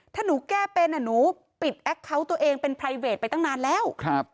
ถ้าหนูแก้เป็นอ่ะหนูปิดแอคเคาน์ตัวเองเป็นไพรเวทไปตั้งนานแล้ว